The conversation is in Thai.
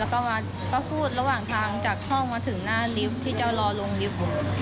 แล้วก็พูดระหว่างทางจากห้องมาถึงหน้าลิฟต์ที่เจ้ารอลงลิฟต์